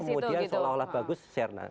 kemudian seolah olah bagus serna